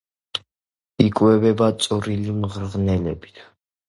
იკვებება წვრილი მღრღნელებით.